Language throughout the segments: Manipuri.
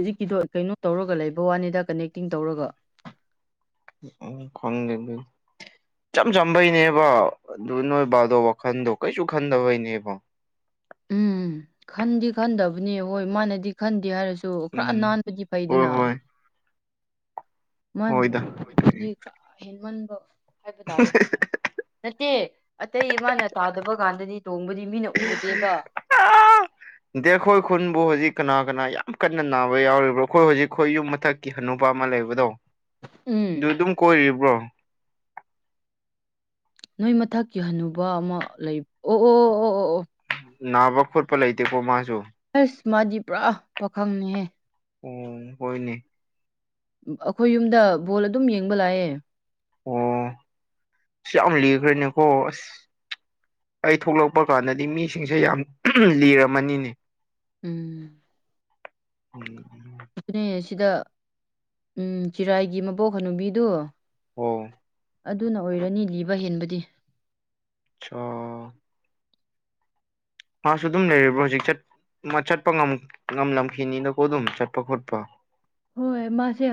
ꯍꯧꯖꯤꯛꯀꯤꯗꯣ ꯀꯩꯅꯣ ꯇꯧꯔꯒ ꯂꯩꯕ ꯋꯥꯅꯤꯗ ꯀꯅꯦꯛꯇꯤꯡ ꯇꯧꯔꯒ ꯑꯥ ꯈꯪꯗꯦ ꯑꯩꯖꯨ ꯏꯆꯝ ꯆꯝꯕꯩꯅꯦꯕ ꯑꯗꯨ ꯅꯣꯏ ꯕꯥꯗꯣ ꯋꯥꯈꯟꯗꯣ ꯀꯩꯁꯨ ꯈꯟꯗꯕꯩꯅꯦꯕ ꯎꯝ ꯈꯟꯗꯤ ꯈꯟꯗꯕꯅꯦ ꯍꯣꯏ ꯃꯥꯅꯗꯤ ꯈꯟꯗꯦ ꯍꯥꯏꯔꯁꯨ ꯈꯔ ꯎꯝ ꯅꯥꯟꯕꯗꯤ ꯍꯣꯏ ꯐꯩꯗꯅ ꯍꯣꯏ ꯍꯣꯏꯗ ꯀꯩ ꯃꯥꯗꯤ ꯈꯔ ꯍꯦꯟꯃꯟꯕ ꯍꯥꯏꯕ ꯇꯥꯔꯦ ꯅꯠꯇꯦ ꯑꯇꯩ ꯃꯥꯅ ꯇꯥꯗꯕ ꯀꯥꯟꯗꯗꯤ ꯇꯣꯡꯕꯗꯤ ꯃꯤꯅ [inaudible] [inaudible] ꯗꯦ ꯑꯩꯈꯣꯏ ꯈꯨꯟꯕꯨ ꯍꯧꯖꯤꯛ ꯀꯅꯥ ꯀꯅꯥ ꯌꯥꯝ ꯀꯟꯅ ꯅꯥꯕ ꯌꯥꯎꯔꯤꯕ꯭ꯔꯣ ꯑꯩꯈꯣꯏ ꯍꯧꯖꯤꯛ ꯑꯩꯈꯣꯏ ꯌꯨꯝ ꯃꯊꯛ ꯍꯥꯅꯨꯕ ꯑꯃ ꯂꯩꯕꯗꯣ ꯎꯝ ꯑꯗꯨ ꯑꯗꯨꯝ ꯀꯣꯏꯔꯤꯕ꯭ꯔꯣ ꯅꯣꯏ ꯃꯊꯛꯀꯤꯍꯟꯅꯨꯕ ꯑꯃ ꯂꯩꯕ ꯑꯣ ꯑꯣ ꯑꯣ ꯑꯣ ꯅꯥꯕ ꯈꯣꯠꯄ ꯂꯩꯇꯦꯀꯣ ꯃꯥꯁꯨ ꯑꯁ ꯃꯥꯗꯤ ꯄꯨꯔꯥ ꯄꯥꯈꯪꯅꯤꯍꯦ ꯑꯣ ꯍꯣꯏꯅꯦ ꯑꯩꯈꯣꯏ ꯌꯨꯝꯗ ꯕꯣꯜ ꯑꯗꯨꯝ ꯌꯦꯡꯕ ꯂꯥꯛꯑꯦ [inaudible] ꯁꯤ ꯌꯥꯝ ꯂꯤꯈ꯭ꯔꯦꯅꯦꯀꯣ ꯑꯁ ꯑꯩ ꯊꯣꯛꯂꯛꯄ ꯀꯥꯟꯗꯗꯤ ꯃꯤꯁꯤꯡꯁꯦ ꯌꯥꯝ ꯂꯤꯔꯝꯃꯅꯤꯅꯦ ꯎꯝ [unintelligible] ꯑꯗꯨꯅꯦ ꯁꯤꯗꯥ ꯎꯝ ꯆꯤꯔꯥꯏꯒꯤ ꯃꯕꯣꯛ ꯍꯥꯅꯨꯕꯤꯗꯨ ꯑꯣ ꯑꯗꯨꯅ ꯑꯣꯏꯔꯅꯤ ꯂꯤꯕ ꯍꯦꯟꯕꯗꯤ [inaudible] ꯃꯥꯁꯨ ꯑꯗꯨꯝ ꯂꯩꯔꯤꯕ꯭ꯔꯣ ꯍꯧꯖꯤꯛ ꯆꯠ ꯃꯥ ꯆꯠꯄ ꯉꯝꯂꯝꯈꯤꯅꯤꯅꯀꯣ ꯑꯗꯨꯝ ꯆꯠꯄ ꯈꯣꯠꯄ ꯍꯣꯏ ꯃꯥꯁꯦ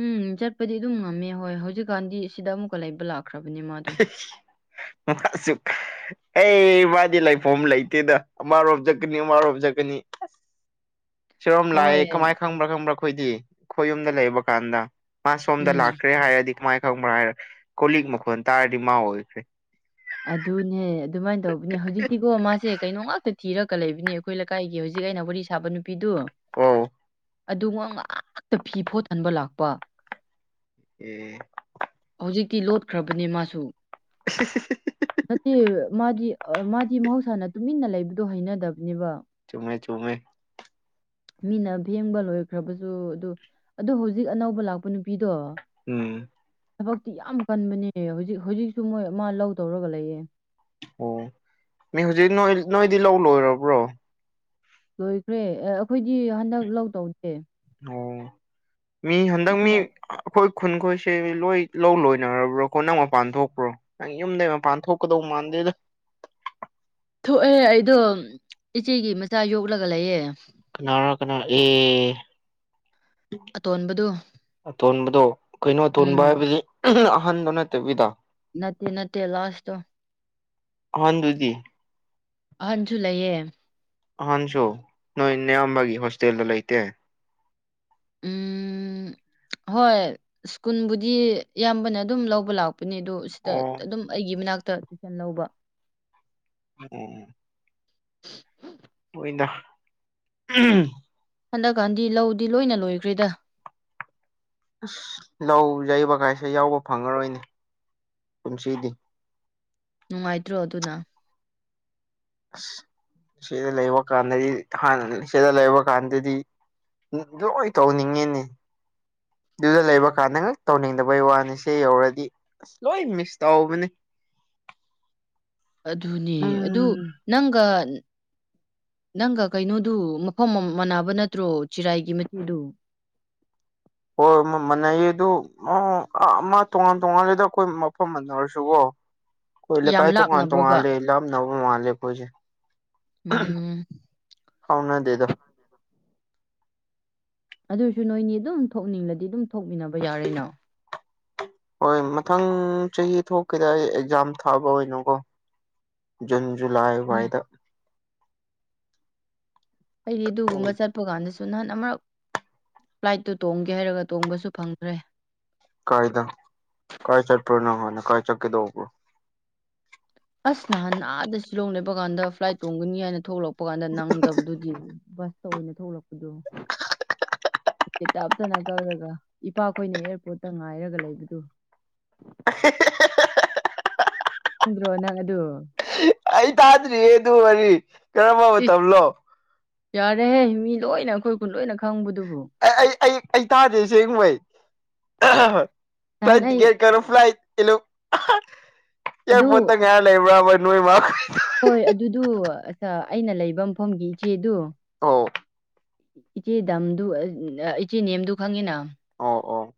ꯎꯝ ꯆꯠꯄꯗꯤ ꯑꯗꯨꯝ ꯉꯝꯃꯦ ꯍꯣꯏ ꯍꯧꯖꯤꯛꯀꯥꯟꯗꯤ ꯑꯁꯤꯗ ꯑꯃꯨꯛꯀ ꯂꯩꯕ ꯂꯥꯛꯈ꯭ꯔꯕꯅꯦ ꯃꯥꯗꯣ [unintelligible] ꯑꯩ ꯃꯥꯗꯤ ꯂꯩꯐꯝ ꯂꯩꯇꯦꯗꯥ ꯑꯃꯥ ꯔꯣꯝ ꯆꯠꯀꯅꯤ ꯑꯃꯥ ꯔꯣꯝ ꯆꯠꯀꯥꯅꯤ ꯁꯤꯔꯣꯝ ꯂꯥꯛꯑꯦ ꯍꯣꯏ ꯀꯃꯥꯏꯅ ꯈꯪꯕ꯭ꯔꯥ ꯈꯪꯕ꯭ꯔꯥ ꯑꯩꯈꯣꯏꯗꯤ ꯑꯩꯈꯣꯏ ꯌꯨꯝꯗ ꯂꯩꯕ ꯀꯥꯟꯗ ꯃꯥ ꯁꯣꯝꯗ ꯎꯝ ꯂꯥꯛꯈ꯭ꯔꯦ ꯍꯥꯏꯔꯗꯤ ꯀꯃꯥꯏ ꯈꯪꯕ꯭ꯔꯥ ꯍꯥꯏꯔ ꯀꯣꯂꯤꯛ ꯃꯈꯣꯟ ꯇꯥꯔꯗꯤ ꯃꯥ ꯑꯣꯏꯈ꯭ꯔꯦ ꯑꯗꯨꯅꯦ ꯑꯗꯨꯃꯥꯏꯅ ꯇꯧꯕꯅꯦ ꯍꯧꯖꯤꯛꯇꯤꯀꯣ ꯃꯥꯁꯦ ꯀꯩꯅꯣ ꯉꯥꯛꯇꯥ ꯊꯤꯔꯒꯥ ꯂꯩꯕꯅꯦ ꯑꯩꯈꯣꯏ ꯂꯩꯀꯥꯏꯒꯤ ꯍꯧꯖꯤꯛ ꯑꯩꯅ ꯋꯥꯔꯤ ꯁꯥꯕ ꯅꯨꯄꯤꯗꯨ ꯑꯣ ꯑꯗꯨꯒꯥꯉꯣ ꯉꯥꯛꯇ ꯐꯤ ꯐꯣꯠꯍꯟꯕ ꯂꯥꯛꯄ ꯎꯝ ꯍꯧꯖꯤꯛꯇꯤ ꯂꯣꯠꯈ꯭ꯔꯕꯅꯦ ꯃꯥꯁꯨ [unintelligible] ꯅꯠꯇꯦ ꯃꯥꯗꯤ ꯃꯥꯗꯤ ꯃꯍꯧꯁꯥꯅ ꯇꯨꯃꯤꯟꯅ ꯂꯩꯕꯗꯣ ꯍꯩꯅꯗꯕꯅꯦꯕ ꯆꯨꯝꯃꯦ ꯆꯨꯝꯃꯦ [inaudible] ꯃꯤꯅ ꯐꯦꯡꯕ ꯂꯣꯏꯈ꯭ꯔꯕꯁꯨ ꯑꯗꯨ ꯑꯗꯨ ꯍꯧꯖꯤꯛ ꯑꯅꯧꯕ ꯂꯥꯛꯄ ꯅꯨꯄꯤꯗꯣ ꯎꯝ ꯊꯕꯛꯇꯤ ꯌꯥꯝ ꯀꯟꯕꯅꯤꯅꯦ ꯍꯧꯖꯤꯛ ꯍꯧꯖꯤꯛꯁꯨ ꯃꯣꯏ ꯑꯃ ꯂꯧ ꯇꯧꯔꯒꯥ ꯂꯩꯌꯦ ꯑꯣ ꯃꯤ ꯍꯧꯖꯤꯛ ꯅꯣꯏ ꯅꯣꯏꯗꯤ ꯂꯧ ꯂꯣꯏꯔꯕ꯭ꯔꯣ ꯂꯣꯏꯈ꯭ꯔꯦ ꯑꯦ ꯑꯩꯈꯣꯏꯗꯤ ꯍꯟꯗꯛ ꯂꯧ ꯇꯧꯗꯦ ꯑꯣ ꯃꯤ ꯍꯟꯗꯛ ꯃꯤ ꯃꯤꯅ ꯑꯩꯈꯣꯏ ꯈꯨꯟꯈꯣꯏꯁꯦ ꯂꯣꯏ ꯂꯧ ꯂꯣꯏꯅꯔꯕ꯭ꯔꯣꯀꯣ ꯅꯪ ꯃꯄꯥꯟ ꯊꯣꯛꯄ꯭ꯔꯣ ꯅꯪ ꯌꯨꯝꯗꯩ ꯃꯄꯥꯟ ꯊꯣꯛꯀꯗꯧ ꯃꯥꯟꯗꯦꯗꯥ ꯊꯣꯛꯑꯦꯍꯦ ꯑꯩꯗꯣ ꯏꯆꯦꯒꯤ ꯃꯆꯥ ꯌꯣꯛꯂꯒꯥ ꯂꯩꯌꯦ ꯀꯅꯥꯔꯥ ꯀꯅꯥꯔꯥ ꯑꯦ ꯑꯇꯣꯟꯕꯗꯨ ꯑꯇꯣꯟꯕꯗꯣ ꯀꯩꯅꯣ ꯎꯝ ꯑꯇꯣꯟꯕ ꯍꯥꯏꯕꯗꯤ ꯑꯍꯟꯗꯣ ꯅꯠꯇꯕꯤꯗꯥ ꯅꯠꯇꯦ ꯅꯠꯇ ꯂꯣꯁ ꯇꯣ ꯑꯍꯟꯗꯨꯗꯤ ꯑꯍꯟꯁꯨ ꯂꯩꯌꯦ ꯑꯍꯥꯟꯁꯨ ꯅꯣꯏ ꯅꯌꯥꯝꯕꯒꯤ ꯍꯣꯁꯇꯦꯜꯗꯥ ꯂꯩꯇꯦ ꯎꯝ ꯍꯣꯏ ꯁ꯭ꯀꯨꯟꯕꯨꯗꯤ ꯑꯌꯥꯝꯕꯅ ꯑꯗꯨꯝ ꯂꯧꯕ ꯂꯥꯛꯄꯅꯦ ꯑꯗꯨ ꯁꯤꯗꯥ ꯑꯣ ꯑꯗꯨꯝ ꯑꯩꯒꯤ ꯃꯅꯥꯛꯇ ꯇꯨꯏꯁꯟ ꯂꯧꯕ ꯑꯣ ꯑꯣꯏꯗꯥ ꯍꯟꯗꯛꯀꯥꯟꯗꯤ ꯂꯧꯗꯤ ꯂꯣꯏꯅ ꯂꯣꯏꯈ꯭ꯔꯦꯗ ꯑꯁ ꯂꯧ ꯌꯩꯕꯒꯥꯏꯁꯦ ꯌꯥꯎꯕ ꯐꯪꯉꯔꯣꯏꯅꯦ ꯀꯨꯝꯁꯤꯗꯤ ꯅꯨꯡꯉꯥꯏꯇ꯭ꯔꯣ ꯑꯗꯨꯅ ꯑꯁ ꯁꯤꯗ ꯂꯩꯕ ꯀꯥꯟꯗꯗꯤ ꯍꯥꯟꯅꯅ ꯁꯤꯗ ꯂꯩꯕ ꯀꯥꯟꯗꯗꯤ ꯂꯣꯏ ꯇꯧꯅꯤꯡꯉꯤꯅꯦ ꯑꯗꯨꯗ ꯂꯩꯕ ꯀꯥꯟꯗ ꯉꯥꯛ ꯇꯧꯅꯤꯡꯗꯕꯩ ꯋꯥꯅꯤ ꯁꯤ ꯌꯧꯔꯗꯤ ꯑꯁ ꯂꯣꯏ ꯃꯤꯁ ꯇꯧꯕꯅꯤ ꯑꯗꯨꯅꯦ ꯑꯗꯨ ꯎꯝ ꯅꯪꯒ ꯅꯪꯒ ꯀꯩꯅꯣꯗꯨ ꯃꯐꯝ ꯃꯥꯟꯅꯕ ꯅꯠꯇ꯭ꯔꯣ ꯆꯤꯔꯥꯏꯒꯤ ꯃꯆꯤꯗꯨ ꯍꯣꯏ ꯃꯥꯟꯅꯩꯌꯦ ꯑꯗꯨ ꯑꯃ ꯇꯣꯉꯥꯟ ꯇꯣꯉꯥꯟꯂꯦꯗ ꯑꯈꯣꯏ ꯃꯐꯝ ꯃꯟꯅꯔꯁꯨꯀꯣ [inaudible] ꯑꯈꯣꯏ ꯂꯀꯥꯏ ꯇꯣꯡꯉꯥꯟ ꯂꯥꯞꯅꯕ꯭ꯔꯣꯕ ꯇꯣꯡꯉꯥꯟꯂꯦ ꯂꯝ ꯅꯧꯕ ꯃꯥꯂꯦ ꯑꯈꯣꯏꯁꯦ ꯎꯝ ꯐꯥꯎꯅꯗꯦꯗꯥ ꯑꯗꯨꯁꯨ ꯅꯣꯏꯅꯤ ꯑꯗꯨꯝ ꯊꯣꯛꯅꯤꯡꯂꯗꯤ ꯑꯗꯨꯝ ꯊꯣꯛꯃꯤꯟꯅꯕ ꯌꯥꯔꯦꯅꯥ ꯍꯣꯏ ꯃꯊꯪ ꯆꯍꯤ ꯊꯣꯛꯀꯦꯗꯥ ꯑꯩ ꯑꯦꯛꯖꯥꯝ ꯊꯥꯕ ꯑꯣꯏꯅꯥꯀꯣ ꯖꯨꯟ ꯖꯨꯂꯥꯏ ꯋꯥꯏꯗꯥ ꯑꯩꯗꯤ ꯑꯗꯨꯒꯨꯝꯕ ꯆꯠ ꯄꯥꯀꯥꯟꯗꯁꯨ ꯅꯍꯥꯟ ꯑꯃꯔꯛ ꯐ꯭ꯂꯥꯏꯠꯇꯨ ꯇꯣꯡꯒꯦ ꯍꯥꯏꯔꯒꯥ ꯇꯣꯡꯕꯁꯨ ꯐꯪꯗ꯭ꯔꯦ ꯀꯥꯏꯗꯥ ꯀꯥꯏ ꯆꯠꯄ꯭ꯔꯣ ꯅꯍꯥꯟꯅ ꯀꯥꯏ ꯆꯠꯀꯦꯗꯧꯕ꯭ꯔꯣ ꯑꯁ ꯅꯍꯥꯟ ꯑꯥꯗ ꯁꯤꯂꯣꯡ ꯂꯩꯕ ꯀꯥꯟꯗ ꯐ꯭ꯂꯥꯏꯠ ꯇꯣꯡꯒꯅꯤ ꯍꯥꯏꯅ ꯊꯣꯛꯂꯛꯄ ꯀꯥꯟꯗ ꯅꯪꯗꯕꯗꯨꯗꯤ ꯕꯁꯇ ꯑꯣꯏꯅ ꯊꯣꯛꯂꯛꯄꯗꯣ [inaudible] ꯇꯤꯞꯇꯥꯞꯇꯅ ꯒꯧꯔꯒ ꯏꯄꯥꯈꯣꯏꯅ ꯑꯦꯌ꯭ꯔꯄꯣꯔꯠꯇ ꯉꯥꯏꯔꯒ ꯂꯩꯕꯗꯨ ꯑ [unintelligible] [inaudible] ꯈꯟꯗ꯭ꯔꯣ ꯅꯪ ꯑꯗꯨ ꯑꯩ ꯇꯥꯗ꯭ꯔꯤꯌꯦ ꯑꯗꯨ ꯋꯥꯔꯤ ꯀꯔꯝꯕ ꯏꯁ ꯃꯇꯝꯂꯣ ꯌꯥꯔꯦꯍꯦ ꯃꯤ ꯂꯣꯏꯅ ꯑꯈꯣꯏ ꯈꯨꯨꯟ ꯂꯣꯏꯅ ꯈꯪꯕꯗꯨꯕꯨ ꯑꯦ ꯑꯩ ꯑꯩ ꯑꯩ ꯇꯥꯗꯦ ꯑꯁꯦꯡꯕꯩ ꯅꯍꯥꯟ ꯐ꯭ꯂꯥꯏꯠ ꯑꯩ ꯇꯤꯀꯦꯠ ꯀꯩꯅꯣ ꯐ꯭ꯂꯥꯏꯠ ꯏꯂꯨꯞ ꯑꯗꯨ ꯏꯌ꯭ꯔꯄꯣꯔꯠꯇ ꯉꯥꯏꯔ ꯂꯩꯕ꯭ꯔꯥ ꯅꯣꯏ ꯃꯥ ꯍꯣꯏ ꯑꯗꯨꯗꯨ ꯑ ꯑꯩꯅ ꯂꯩꯕ ꯃꯐꯝꯒꯤ ꯏꯆꯦꯗꯨ ꯑꯣ ꯏꯆꯦꯗꯝꯗꯨ ꯏꯆꯦ ꯅꯦꯝꯗꯨ ꯈꯪꯉꯤꯅ ꯑꯣ ꯑꯣ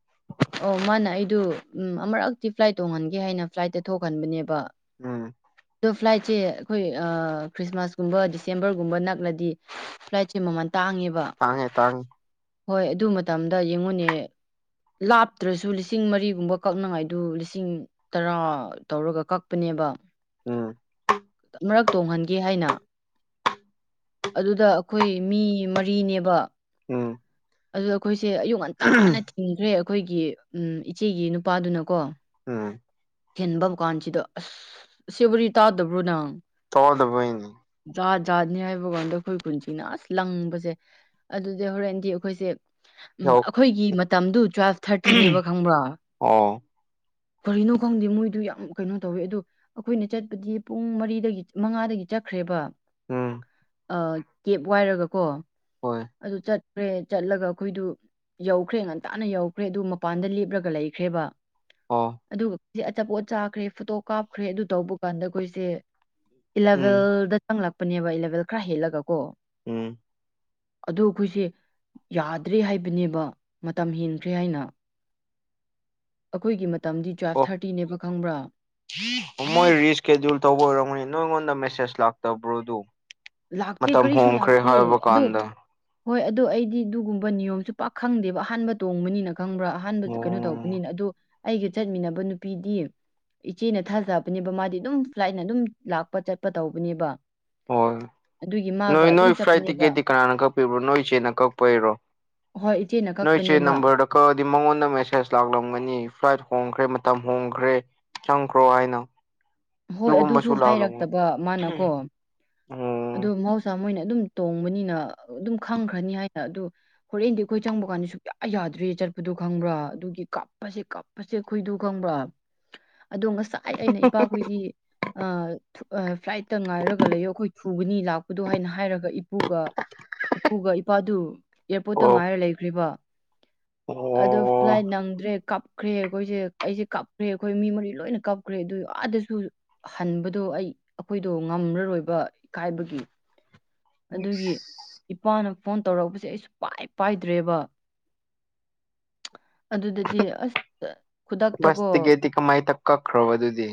ꯑꯣ ꯃꯥꯅ ꯑꯩꯗꯨ ꯎꯝ ꯑꯃꯔꯛꯇꯤ ꯐ꯭ꯂꯥꯏꯠ ꯇꯣꯡꯍꯟꯒꯦ ꯍꯥꯏꯅ ꯐ꯭ꯂꯥꯏꯠꯇ ꯊꯣꯛꯍꯟꯕꯅꯦꯕ ꯎꯝ ꯗꯨꯞ ꯐ꯭ꯂꯥꯏꯠꯁꯦ ꯑꯈꯣꯏ ꯑ ꯈ꯭ꯔꯤꯁꯃꯥꯁꯀꯨꯝꯕ ꯗꯤꯁꯦꯝꯕ꯭ꯔꯒꯨꯝꯕ ꯅꯛꯂꯗꯤ ꯐ꯭ꯂꯥꯏꯠꯁꯦ ꯃꯃꯟ ꯇꯥꯡꯉꯦꯕ ꯇꯥꯡꯉꯦ ꯇꯥꯡꯉꯦ ꯍꯣꯏ ꯑꯗꯨ ꯃꯇꯝꯗ ꯌꯦꯡꯉꯨꯅꯦ ꯂꯥꯞꯇ꯭ꯔꯁꯨ ꯂꯤꯁꯤꯡ ꯃꯔꯤꯒꯨꯝꯕ ꯀꯛꯅꯉꯥꯏꯗꯨ ꯂꯤꯁꯤꯡ ꯇꯔꯥ ꯇꯧꯔꯒ ꯀꯛꯄꯅꯦꯕ ꯎꯝ ꯑꯃꯔꯛ ꯇꯣꯡꯍꯟꯒꯦ ꯍꯥꯏꯅ ꯑꯗꯨꯗ ꯑꯩꯈꯣꯏ ꯃꯤ ꯃꯔꯤꯅꯦꯕ ꯎꯝ ꯑꯗꯨ ꯑꯩꯈꯣꯏꯁꯦ ꯑꯌꯨꯛ ꯉꯟꯇꯥꯅ ꯊꯤꯡꯈ꯭ꯔꯦ ꯑꯩꯈꯣꯏꯒꯤ ꯎꯝ ꯏꯆꯦꯒꯤ ꯅꯨꯄꯥꯗꯨꯅꯀꯣ ꯎꯝ ꯊꯤꯟꯕ ꯀꯥꯟꯁꯤꯗ ꯑꯁ ꯁꯤ ꯋꯥꯔꯤ ꯇꯥꯗꯕ꯭ꯔꯣ ꯅꯪ ꯇꯥꯗꯕꯩꯅꯤ ꯖꯥꯠ ꯖꯥꯠꯅꯤ ꯍꯥꯏꯕꯒꯤ ꯋꯥꯅꯤꯗ ꯑꯩꯈꯣꯏ ꯈꯨꯟꯁꯤꯅ ꯑꯁ ꯂꯪꯕꯁꯦ ꯑꯗꯨꯗꯤ ꯍꯣꯔꯦꯟꯗꯤ ꯑꯩꯈꯣꯏꯁꯦ ꯎꯝ ꯌꯧ ꯑꯩꯈꯣꯏꯒꯤ ꯃꯇꯝꯗꯨ ꯇ꯭ꯋꯦꯜꯐ ꯊꯥꯔꯇꯤꯅꯦꯕ ꯈꯪꯕ꯭ꯔꯥ ꯑꯣ ꯀꯔꯤꯅꯣ ꯈꯪꯗꯦ ꯃꯣꯏꯗꯨ ꯌꯥꯝ ꯀꯩꯅꯣ ꯇꯧꯋꯦ ꯑꯣ ꯑꯩꯈꯣꯏꯅ ꯆꯠꯄꯗꯤ ꯄꯨꯡ ꯃꯔꯤꯗꯒꯤ ꯃꯉꯥꯗꯒꯤ ꯆꯠꯈ꯭ꯔꯦꯕ ꯎꯝ ꯑꯥ ꯀꯦꯕ ꯋꯥꯏꯔꯒꯀꯣ ꯍꯣꯏ ꯑꯗꯨ ꯆꯠꯈ꯭ꯔꯦ ꯆꯠꯂꯒ ꯑꯩꯈꯣꯏꯗꯨ ꯌꯧꯈ꯭ꯔꯦ ꯉꯟꯇꯥꯅ ꯌꯧꯈ꯭ꯔꯦ ꯑꯗꯨ ꯃꯄꯥꯟꯗ ꯂꯦꯞꯂꯒ ꯂꯩꯈ꯭ꯔꯦꯕ ꯑꫭ ꯑꯗꯨꯒ ꯑꯆꯥꯄꯣꯠ ꯆꯥꯈ꯭ꯔꯦ ꯐꯣꯇꯣ ꯀꯥꯞꯈ꯭ꯔꯦ ꯑꯗꯨ ꯇꯧꯕ ꯀꯥꯟꯗ ꯑꯩꯈꯣꯏꯁꯦ ꯎꯝ ꯏꯂꯚꯦꯜꯗ ꯆꯪꯂꯛꯄꯅꯦꯕ ꯏꯂꯚꯦꯜ ꯈꯔ ꯍꯦꯜꯂꯒ ꯀꯣ ꯎꯝ ꯑꯗꯨ ꯑꯩꯈꯣꯏꯁꯦ ꯌꯥꯗ꯭ꯔꯦ ꯍꯥꯏꯕꯅꯦꯕ ꯃꯇꯝ ꯍꯦꯟꯈ꯭ꯔꯦ ꯍꯥꯏꯅ ꯑꯩꯈꯣꯏꯒꯤ ꯃꯇꯝꯗꯤ ꯇꯨꯋꯦꯜꯐ ꯑꯣ ꯊꯥꯔꯇꯤꯅꯦꯕ ꯈꯪꯕ꯭ꯔꯥ ꯃꯣꯏ ꯔꯤꯁ꯭ꯀꯦꯗꯨꯨꯜ ꯇꯧꯕ ꯑꯣꯏꯔꯝꯒꯅꯤ ꯅꯣꯏꯉꯣꯟꯗ ꯃꯦꯁꯦꯖ ꯂꯥꯛꯇꯕ꯭ꯔꯣ ꯑꯗꯨ ꯂꯥꯛꯇꯦ ꯃꯇꯝ ꯀꯔꯤꯁꯨ ꯍꯣꯡꯈ꯭ꯔꯦ ꯂꯥꯛꯇꯦ ꯑꯗꯣ ꯍꯥꯏꯕꯀꯥꯟꯗ ꯍꯣꯏ ꯑꯗꯣ ꯑꯩꯗꯤ ꯑꯗꯨꯒꯨꯝꯕ ꯅꯤꯌꯣꯝꯁꯨ ꯄꯥꯛ ꯈꯪꯗꯦꯕ ꯑꯍꯥꯟꯕ ꯇꯣꯡꯕꯅꯤꯅ ꯈꯪꯕ꯭ꯔꯥ ꯑꯍꯥꯟꯕ ꯀꯩꯅꯣ ꯑꯣ ꯇꯧꯕꯅꯤꯅ ꯑꯗꯣ ꯑꯩꯒ ꯆꯠꯃꯤꯟꯅꯕ ꯅꯨꯄꯤꯗꯤ ꯏꯆꯦꯅ ꯊꯥꯖꯕꯅꯦꯕ ꯃꯥꯗꯤ ꯑꯗꯨꯝ ꯐ꯭ꯂꯥꯏꯠꯅ ꯑꯗꯨꯝ ꯂꯥꯛꯄ ꯆꯠꯄ ꯇꯧꯕꯅꯦꯕ ꯍꯣꯏ ꯑꯗꯨꯒꯤ ꯃꯥꯒ ꯅꯣꯏ ꯑꯗꯨꯝ ꯅꯣꯏ ꯐ꯭ꯂꯥꯏꯠ ꯆꯠꯄꯅꯦꯕ ꯇꯤꯛꯀꯦꯠꯇꯤ ꯀꯅꯥꯅ ꯀꯛꯄꯤꯕ꯭ꯔꯣ ꯅꯣꯏ ꯏꯆꯦꯅ ꯀꯛꯄꯩꯔꯣ ꯍꯣꯏ ꯏꯆꯦꯅ ꯀꯛꯄꯅꯦꯕ ꯅꯝꯕ꯭ꯔꯗ ꯀꯛꯑꯗꯤ ꯃꯉꯣꯟꯗ ꯃꯦꯁꯦꯖ ꯂꯥꯛꯂꯝꯒꯅꯤ ꯐ꯭ꯂꯥꯏꯠ ꯍꯣꯡꯈ꯭ꯔꯦ ꯃꯇꯝ ꯍꯣꯡꯈ꯭ꯔꯦ ꯆꯪꯈ꯭ꯔꯣ ꯍꯥꯏꯅ ꯍꯣꯏ ꯑꯗꯨꯁꯨ ꯑꯗꯨꯒꯨꯝꯕꯁꯨ ꯂꯥꯛꯂꯝꯒꯅꯤ ꯍꯥꯏꯔꯛꯇꯕ ꯃꯅꯥꯀꯣ ꯑꯣ ꯑꯗꯨ ꯃꫭꯁ ꯆ ꯃꯣꯏꯅ ꯑꯗꯨꯝ ꯇꯣꯡꯕꯅꯤꯅ ꯑꯗꯨꯝ ꯈꯪꯈ꯭ꯔꯅꯤ ꯍꯥꯏꯅ ꯑꯗꯨ ꯍꯣꯔꯦꯟꯗꯤ ꯑꯩꯈꯣꯏ ꯆꯪꯕ ꯀꯥꯟꯗ ꯁꯨꯛꯌꯥ ꯌꯥꯗ꯭ꯔꯦ ꯆꯠꯄꯗꯨꯣ ꯈꯪꯕ꯭ꯔꯥ ꯑꯗꯨꯒꯤ ꯀꯞꯄꯁꯦ ꯀꯞ ꯄꯆꯦꯛ ꯈꯣꯏꯗꯨ ꯈꯪꯕ꯭ꯔꯥ ꯑꯗꯣ ꯉꯁꯥꯏ ꯑꯩꯅ ꯏꯄꯥꯈꯣꯏꯗꯤ ꯑꯥ ꯐ꯭ꯂꯥꯏꯠꯇ ꯉꯥꯏꯔꯒ ꯂꯩꯌꯣ ꯑꯩꯈꯣꯏ ꯊꯨꯒꯅꯤ ꯂꯥꯛꯄꯗꯣ ꯍꯥꯏꯅ ꯍꯥꯏꯔꯒ ꯏꯄꯨꯒ ꯏꯄꯨꯒ ꯏꯄꯥꯗꯨ ꯑꯦꯌꯥꯔꯄꯣꯔꯠꯇ ꯑꯣ ꯉꯥꯏꯔ ꯂꯩꯈ꯭ꯔꯤꯕ ꯑꯗꯨ ꯑꯣ ꯐ꯭ꯂꯥꯏꯠ ꯅꯪꯗ꯭ꯔꯦ ꯀꯥꯞ ꯀꯞꯈ꯭ꯔꯦ ꯑꯩꯈꯣꯏꯁꯦ ꯑꯩꯁꯦ ꯀꯞꯈ꯭ꯔꯦ ꯑꯩꯈꯣꯏ ꯃꯤ ꯃꯔꯤ ꯂꯣꯏꯅ ꯀꯞꯈ꯭ꯔꯦ ꯑꯗꯨ ꯑꯥꯗꯁꯨ ꯑꯗꯨ ꯍꯟꯕꯗꯣ ꯑꯩ ꯑꯩꯈꯣꯏꯗꯣ ꯉꯝꯔꯔꯣꯏꯕ ꯏꯀꯥꯏꯕꯒꯤ ꯑꯗꯨꯒꯤ ꯏꯄꯥꯅ ꯐꯣꯟ ꯇꯧꯔꯛꯄꯁꯦ ꯑꯩꯁꯨ ꯄꯥꯏ ꯄꯥꯏꯗ꯭ꯔꯦꯕ ꯑꯗꯨꯗꯥꯗꯤ ꯑꯁ ꯈꯨꯗꯛꯇꯀꯣ ꯀꯥꯃꯥꯏꯇꯛ ꯀꯛꯈ꯭ꯔꯣꯕ ꯑꯗꯨꯗꯤ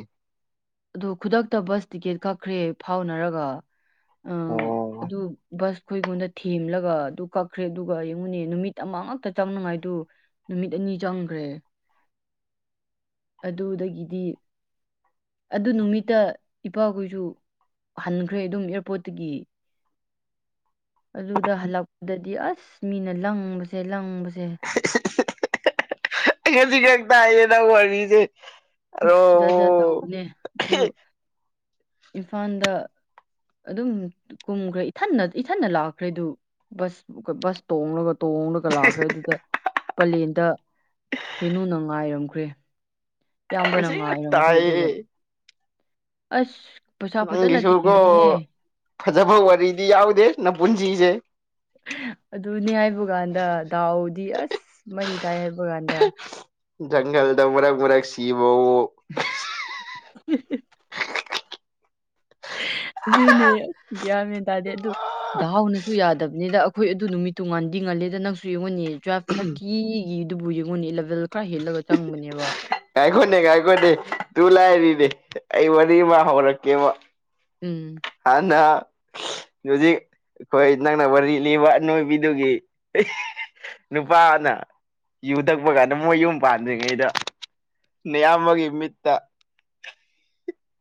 ꯑꯗꯨ ꯈꯨꯗꯛꯇ ꯕꯁ ꯇꯤꯛꯀꯦꯠ ꯀꯛꯈ꯭ꯔꯦ ꯐꯥꯎꯅꯔꯒ ꯑ ꯑꯣ ꯑꯗꯨ ꯕꯁ ꯑꯩꯈꯣꯏꯉꯣꯟꯗ ꯊꯦꯝꯂꯒ ꯑꯗꯨ ꯀꯛꯈ꯭ꯔꯦ ꯑꯗꯨꯒ ꯌꯦꯡꯉꯨꯅꯦ ꯅꯨꯃꯤꯠ ꯑꯃ ꯉꯛꯇ ꯆꯪꯅꯉꯥꯏꯗꯨ ꯅꯨꯃꯤꯠ ꯑꯅꯤ ꯆꯪꯈ꯭ꯔꯦ ꯑꯗꯨꯗꯥꯒꯤꯗꯤ ꯑꯗꯨ ꯅꯨꯃꯤꯠꯇ ꯏꯄꯥꯈꯣꯏꯁꯨ ꯍꯟꯈ꯭ꯔꯦ ꯑꯗꯨꯝ ꯑꯦꯌꯥꯔꯄꯣꯔꯠꯇꯒꯤ ꯑꯗꯨꯗ ꯍꯜꯂꯛꯄꯗꯗꯤ ꯑꯁ ꯃꯤꯅ ꯂꯪꯕꯁꯦ ꯂꯪꯕꯁꯦ ꯑꯩ ꯉꯁꯤꯈꯛ ꯇꯥꯏꯌꯦ ꯅꯪ ꯋꯥꯔꯤꯁꯦ ꯑꯔꯣ ꯑꯁ ꯖꯥꯠ ꯖꯥꯠ ꯇꯧꯕꯅꯦ ꯑꯗꯨ ꯏꯝꯐꯥꯜꯗ ꯑꯗꯨꯝ ꯀꯨꯝꯈ꯭ꯔꯦ ꯏꯊꯟꯅ ꯏꯊꯟꯟꯅ ꯂꯥꯛꯈ꯭ꯔꯦ ꯑꯗꯨ ꯕꯁ ꯕꯁ ꯇꯣꯡꯂꯒ ꯇꯣꯡꯂꯒ ꯂꯥꯛꯈ꯭ꯔꯦ ꯑꯗꯨꯗ ꯄꯂꯦꯟꯗ ꯀꯩꯅꯣꯅ ꯉꯥꯏꯔꯝꯈ꯭ꯔꯦ ꯏꯌꯥꯝꯕꯅ ꯉꯁꯤ ꯈꯛ ꯉꯥꯏꯔꯝꯈ꯭ꯔꯦ ꯑꯗꯨꯒ ꯇꯥꯏꯌꯦ ꯑꯁ ꯄꯩꯁꯥ ꯐꯖꯅ ꯅꯪꯒꯤꯁꯨꯀꯣ ꯇꯤꯡꯕꯅꯦꯍꯦ ꯐꯖꯕ ꯋꯥꯔꯤꯗꯤ ꯌꯥꯎꯗꯦ ꯅꯄꯨꯨꯟꯁꯤꯁꯦ ꯑꯗꯨꯅꯦ ꯍꯥꯏꯕ ꯀꯥꯟꯗ ꯗꯥꯎꯗꯤ ꯑꯁ ꯃꯍꯤ ꯇꯥꯏ ꯍꯥꯏꯕ ꯀꯥꯟꯗ ꯖꯥꯟꯒꯜꯗ ꯃꯔꯛ ꯃꯔꯛ ꯁꯤꯕꯑꫭ [inaudible] ꯑꯗꯨꯅꯦ ꯒꯤꯌꯥꯟ ꯃꯦꯟ ꯇꯥꯗꯦ ꯑꯗꯨ ꯑꯥ ꯗꯥꯎꯅꯁꯨ ꯌꯥꯗꯕꯅꯤꯗ ꯑꯩꯈꯣꯏ ꯑꯗꯨ ꯅꯨꯃꯤꯠꯇꯨ ꯉꯥꯟꯗꯤ ꯉꯜꯂꯦꯗ ꯅꯪꯁꯨ ꯌꯦꯡꯉꯥꯎꯅꯦ ꯇꯨꯋꯦꯜꯐ ꯊꯥꯔꯇꯤꯒꯤꯗꯨꯕꯨ ꯌꯦꯡꯉꯨꯅꯦ ꯏꯂꯚꯦꯜ ꯈꯔ ꯍꯦꯜꯂꯒ ꯆꯪꯕꯅꯦꯕ ꯀꯥꯏꯈꯣꯅꯦ ꯀꯥꯏꯈꯣꯅꯦ ꯇꯨ ꯂꯥꯏꯔꯤꯅꯦ ꯑꯩ ꯋꯥꯔꯤ ꯑꯃ ꯍꯧꯔꯛꯀꯦꯕ ꯎꯝ ꯍꯟꯅ ꯌꯖꯤ ꯑꯩꯈꯣꯏ ꯅꯪꯅ ꯋꯥꯔꯤ ꯂꯤꯕ ꯑꯅꯣꯏꯕꯤꯗꯨꯒꯤ ꯅꯨꯄꯥꯅ ꯌꯨ ꯊꯛꯄ ꯀꯥꯟꯗ ꯃꯣꯏ ꯌꯨꯝ ꯄꯥꯟꯗ꯭ꯔꯤꯉꯩꯗ ꯑꯌꯥꯝꯕꯒꯤ ꯃꯤꯠꯇ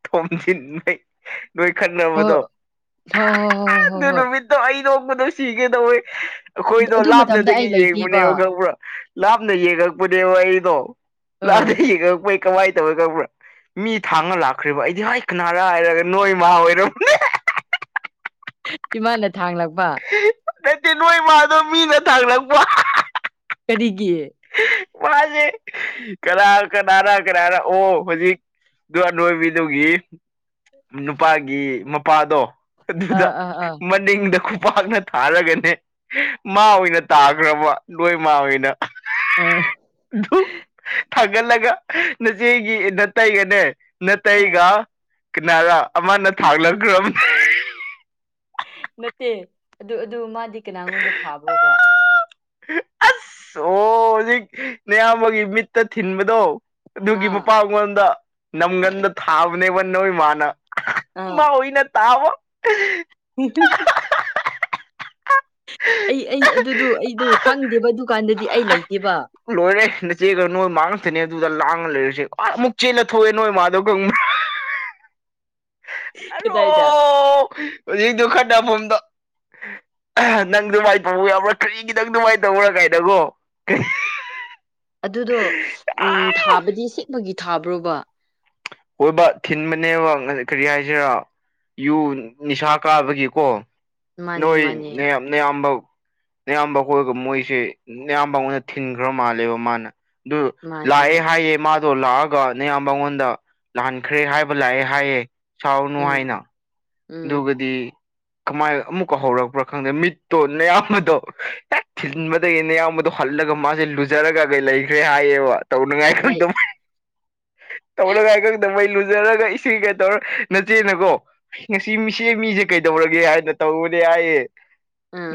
ꯊꯣꯝꯖꯤꯟꯕꯩ ꯅꯣꯏ ꯍꯣꯏ ꯈꯟꯅꯕꯗꯣ ꯍꯣꯏ ꯍꯣꯏ ꯍꯣꯏ ꯍꯣꯏ ꯑꯗꯨ ꯍꯣꯏ ꯍꯣꯏ ꯅꯨꯃꯤꯠ ꯑꯩ ꯅꯣꯛꯕꯗꯣ ꯁꯤꯒꯦꯗꯧꯋꯦ ꯑꯩꯈꯣꯏꯗꯣ ꯑꯗꯨ ꯃꯇꯝꯗ ꯑꯩ ꯂꯥꯞꯅꯗꯒꯤ ꯂꯩꯇꯦꯕ ꯌꯦꯡꯕꯨꯅꯦꯕ ꯈꯪꯕ꯭ꯔꯥ ꯂꯥꯞꯅ ꯌꯦꯡꯉꯛꯄꯅꯦꯕ ꯑꯩꯗꯣ ꯂꯥꯞꯅ ꯑ ꯌꯦꯡꯉꯂꯛꯄ ꯀꯃꯥꯏꯅ ꯇꯧꯋ ꯈꯕ꯭ꯔꯥ ꯃꯤ ꯊꯥꯡꯉꯥ ꯂꯥꯛꯈ꯭ꯔꯤꯕ ꯑꯩꯗꯤ ꯍꫭꯏ ꯀꯅꯥꯔꯥ ꯍꯥꯏꯔꯒ ꯅꯣꯏ ꯃꯥ ꯑꯣꯏꯔꯥꯝꯅꯦ ꯏꯃꯥꯟꯅ ꯊꯥꯡꯂꯛꯄ ꯅꯠꯇꯦ ꯅꯣꯏꯃꯗꯣ ꯃꯤꯅ ꯊꯥꯡꯂꯛꯄ ꯀꯔꯤꯒꯤ ꯃꯥꯁꯦ ꯀꯅꯥ ꯀꯅꯥꯅ ꯀꯅꯥꯅ ꯑꯣ ꯍꯧꯖꯤꯛ ꯑꯗꯨ ꯑꯅꯣꯏꯕꯤꯗꯨꯒꯤ ꯅꯨꯄꯥꯒꯤ ꯃꯄꯥꯗꯣ ꯑꯗꯨꯗ ꯑꯥ ꯑꯥ ꯑꯥ ꯃꯅꯤꯡꯗ ꯈꯨꯄꯥꯛꯅ ꯊꯥꯔꯒꯅꯦ ꯃꯥ ꯑꯣꯏꯅ ꯇꯥꯈ꯭ꯔꯕ ꯅꯣꯏ ꯃꯥ ꯑꯣꯏꯅ ꯑ ꯑꯗꯨ ꯊꯥꯒꯠꯂꯒ ꯅꯆꯦꯒꯤꯗ ꯇꯩꯒꯅꯦ ꯑꯥ ꯅꯇꯩꯒ ꯀꯅꯥꯔ ꯑꯃꯅ ꯊꯥꯛꯂꯛꯈ꯭ꯔꯕꯅꯤ ꯅꯠꯇꯦ ꯑꯗꯨ ꯑꯗꯨ ꯃꯥꯗꯤ ꯀꯅꯥꯉꯣꯟꯗ ꯊꯥꯕ꯭ꯔꯣꯕ ꯑꯁ ꯑꯣ ꯍꯧꯖꯤꯛ ꯅꯌꯥꯝꯕꯒꯤ ꯃꯤꯠꯇ ꯊꯤꯟꯕꯗꯣ ꯑꯗꯨꯒꯤ ꯑꯥ ꯃꯄꯥ ꯃꯉꯣꯟꯗ ꯅꯝꯒꯟꯗ ꯊꯥꯕꯅꯦꯕ ꯅꯣꯏ ꯏꯃꯥꯅ ꯑꯥ ꯃꯥ ꯑꯣꯏꯅꯇꯥꯕ [unintelligible] ꯑꯩ ꯑꯩ ꯑꯗꯨꯗꯣ ꯑꯩꯗꯨ ꯈꯪꯗꯦꯕ ꯗꯨꯀꯥꯟꯗꯗꯤ ꯑꯩ ꯂꯩꯇꯦꯕ ꯂꯣꯏꯔꯦ ꯅꯆꯦꯒ ꯅꯣꯏ ꯃꯥ ꯉꯥꯛꯛꯇꯅꯦ ꯑꯗꯨꯗ ꯂꯥꯡꯉ ꯂꯩꯔꯨꯁꯦ ꯑ ꯑꯃꯨꯛ ꯆꯦꯂ ꯊꯣꯛꯑꯦ ꯅꯣꯏ ꯃꯥꯗꯧꯀꯣ [inaudible] [unintelligible] ꯀꯗꯥꯏꯗ ꯍꯧꯖꯤꯛꯛꯇꯣ ꯈꯔ ꯇꯐꯝꯗꯣ ꯅꯪ ꯗꯨꯃꯥꯏ ꯇꯧꯕ ꯌꯥꯕ꯭ꯔꯥ ꯀꯔꯤ ꯈꯤꯇꯪ ꯑꯗꯨꯃꯥꯏꯅ ꯇꯧꯔ ꯀꯥꯏꯅꯀꯣ ꯑꯗꯨꯗꯣ ꯎꯝ ꯊꯥꯕꯗꯤ ꯁꯦꯛꯃꯒꯤ ꯊꯥꯕ꯭ꯔꯣꯕ ꯑꯣꯏꯕ ꯊꯤꯟꯕꯅꯦꯕ ꯀꯔꯤ ꯍꯥꯏꯁꯤꯔ ꯌꯨ ꯅꯤꯁꯥ ꯀꯥꯕꯒꯤꯀꯣ ꯃꯥꯅꯦ ꯅꯣꯏ ꯃꯥꯅꯦ ꯅꯥꯌꯝ ꯑꯌꯥꯝꯕ ꯑꯌꯥꯝꯕ ꯀꯣꯏꯒ ꯃꯣꯏꯁꯦ ꯑꯌꯥꯝꯕ ꯑꯣꯏꯅ ꯊꯤꯟꯈ꯭ꯔ ꯃꯥꯜꯂꯦꯕ ꯃꯥꯅ ꯑꯗꯨ ꯂꯥꯛꯑꯦ ꯃꯥꯅꯦꯕ ꯍꯥꯏꯌꯦ ꯃꯥꯗꯣ ꯂꯥꯛꯑꯒ ꯅꯌꯥꯝ ꯃꯉꯣꯟꯗ ꯂꯍꯥꯟꯈ꯭ꯔꯦ ꯍꯥꯏꯕ ꯂꯥꯛꯑꯦ ꯍꯥꯏꯌꯦ ꯁꯥꯎꯔꯅꯨ ꯎꯝ ꯍꯥꯏꯅ ꯎꯝ ꯑꯗꯨꯒꯗꯤ ꯀꯃꯥꯏꯅ ꯑꯃꯨꯛꯀ ꯍꯧꯔꯛꯄ꯭ꯔꯥ ꯈꯪꯗꯦ ꯃꯤꯠꯇꯣꯟ ꯃꯌꯥꯝꯗꯣ ꯍꯦꯛ ꯊꯤꯟꯕ ꯑꯗꯒꯤꯅꯦ ꯅꯥꯌꯥꯝꯕꯗꯣ ꯍꯜꯂꯒ ꯃꯥꯁꯦ ꯂꯨꯖꯔꯒ ꯀꯩ ꯂꯩꯈ꯭ꯔꯦ ꯍꯥꯏꯌꯦꯕ ꯇꯧꯅꯉꯥꯏ ꯂꯩ ꯈꯪꯗ ꯇꯧꯔꯒꯥꯏ ꯈꯪꯗ ꯂꯨꯖꯔꯒ ꯏꯁꯤꯡ ꯀꯩ ꯇꯧꯔ ꯃꯆꯦ ꯅꯀꯣ ꯉꯁꯤ ꯃꯤꯁꯦ ꯃꯤꯁꯦ ꯀꯩꯗꯧꯔꯒꯦ ꯍꯥꯏꯅ ꯇꯧꯔꯅꯦ ꯍꯥꯏꯌꯦꯦ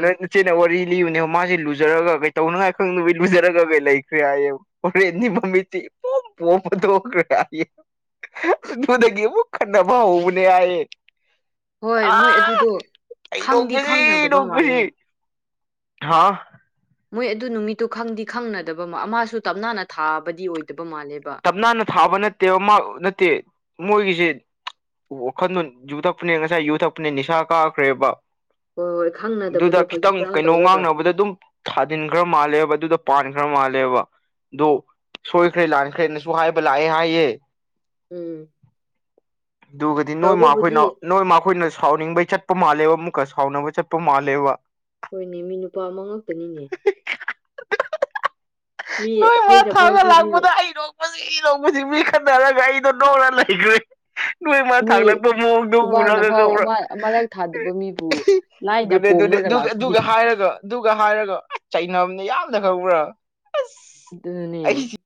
ꯅꯣꯏ ꯏꯆꯦꯅ ꯋꯥꯔꯤ ꯨꯅꯦꯕ ꯃꯥꯁꯦ ꯂꯨꯖꯔꯒ ꯀꯩ ꯇꯧꯅꯉꯥꯏ ꯈꯪꯗꯕꯒꯤ ꯂꯨꯖꯔꯒ ꯀꯩ ꯂꯩꯈ꯭ꯔꯦ ꯍꯥꯏꯌꯦꯕ ꯍꯔꯦꯟꯅꯤ ꯃꯝꯃꯤꯗꯤ ꯐꯣꯝ ꯐꯣꯝꯗꯈꯔꯦ ꯅꯗꯨꯗꯒꯦ ꯑꯃꯨꯛ ꯈꯟꯅ ꯍꯧꯕꯅꯦ ꯍꯥꯏ ꯍꯣꯏ ꯃꯣꯏ ꯑꯗꯨꯗꯣ ꯑꯩ ꯈꯪꯗꯤ ꯅꯣꯛꯄꯁꯤ ꯈꯪꯅꯗꯕ ꯃꯥꯜꯂꯦ ꯍꯥꯥ ꯃꯣꯏ ꯑꯗꯨ ꯅꯨꯃꯤꯠꯇꯨ ꯈꯪꯗꯤ ꯈꯪꯅꯗꯕ ꯃꯥꯁꯨ ꯇꯞꯅꯥꯅ ꯊꯥꯕꯗꯤ ꯑꯣꯏꯗꯕ ꯃꯥꯜꯂꯦꯕ ꯇꯝꯅꯥꯟꯅ ꯊꯥꯕ ꯅꯠꯇꯦꯕ ꯃꯥ ꯅꯠꯇꯦ ꯃꯣꯏꯒꯤꯁꯦ ꯋꯥꯈꯟꯗꯣ ꯌꯨ ꯊꯛꯄꯅꯦ ꯉꯁꯥꯏ ꯌꯨ ꯊꯛꯄꯅꯦ ꯅꯤꯁꯥ ꯀꯥꯈ꯭ꯔꯦꯕ ꯍꯣꯏ ꯍꯣꯏ ꯑꯗꯨꯗ ꯈꯪꯅꯗꯕꯗꯣ ꯐꯥꯒꯤ ꯈꯤꯇꯪ ꯐꯔꯥꯡ ꯀꯩꯅꯣ ꯇꯧꯔꯒ ꯉꯥꯡꯅꯕꯗ ꯑꯗꯨꯝ ꯊꯥꯖꯤꯟꯈ꯭ꯔ ꯃꯥꯜꯂꯦꯕ ꯑꯗꯨꯗ ꯄꯥꯟꯈ꯭ꯔ ꯃꯥꯜꯂꯦꯕ ꯑꯗꯣ ꯁꯣꯏꯈ꯭ꯔꯦ ꯂꯥꯟ ꯈ꯭ꯔꯦꯅꯁꯨ ꯍꯥꯏꯕ ꯂꯥꯛꯑꯦ ꯍꯥꯏꯌꯦ ꯎꯝ ꯑꯗꯨꯒꯗꯤ ꯅꯣꯏ ꯇꯧꯕꯕꯨꯗꯤ ꯑꯩꯣꯏꯅ ꯅꯣꯏ ꯑꯩꯈꯣꯏꯅ ꯁꯥꯎꯅꯤꯡꯕꯩ ꯆꯠꯄ ꯃꯥꯜꯂꯦꯕ ꯑꯃꯨꯛꯀ ꯁꯥꯎꯅꯕ ꯆꯠꯄ ꯃꯥꯜꯂꯦꯕ ꯍꯣꯏꯅꯦ ꯃꯤ ꯅꯨꯄꯥ ꯑꯃ ꯉꯥꯛꯇꯅꯤꯅꯦ ꯃꯤ ꯅꯣꯏ ꯃꯥ ꯊꯥꯡꯉ ꯑꯩꯈꯣꯏꯗꯐꯥꯎꯁꯨ ꯃꯤ ꯂꯥꯛꯄꯗ ꯑꯩ ꯅꯣꯛꯄꯁꯤ ꯏꯔꯣꯛꯄꯁꯤ ꯃꯤ ꯈꯟꯅꯔꯒ ꯑꯩꯗꯣ ꯅꯣꯛꯔ ꯂꯩꯈ꯭ꯔꯦ ꯅꯣꯏꯃ ꯃꯤ ꯊꯥꯛꯂꯛꯄ ꯃꯑꯣꯡꯗꯣ ꯈꯨꯕꯥꯛꯅ ꯎꯔꯒ ꯐꯥꯎ ꯀꯧꯔ ꯑꯃ ꯑꯃꯔꯛ ꯊꯥꯗꯕ ꯃꯤꯕꯨ ꯂꯥꯏꯅ ꯑꯗꯨꯅꯦ ꯑꯗꯨꯅꯦ ꯄꯣꯝꯔꯒ ꯂꯥꯛꯄꯗꯤ ꯑꯗꯨꯒ ꯍꯥꯏꯔꯒ ꯑꯗꯨꯒ ꯍꯥꯏꯔꯒ ꯑꯁ ꯆꯩꯅꯕꯅ ꯌꯥꯝꯅ ꯈꯧꯕ꯭ꯔꯥ ꯑꯁ ꯑꯗꯨꯅꯦ